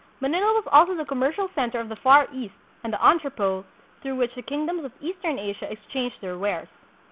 Manila was also the commercial center of the Far East, and the en trepot through which the kingdoms of eastern Asia ex changed their wares.